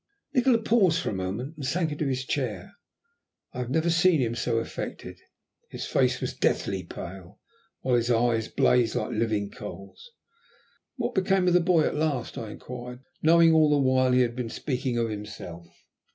Nikola paused for a moment and sank into his chair. I had never seen him so affected. His face was deathly pale, while his eyes blazed like living coals. "What became of the boy at last?" I inquired, knowing all the while that he had been speaking of himself.